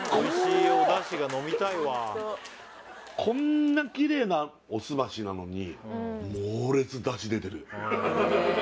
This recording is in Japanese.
こんなキレイなおすましなのに猛烈出汁出てる